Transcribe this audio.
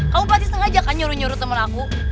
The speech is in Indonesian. kamu pasti sengaja kan nyuruh nyuruh temen aku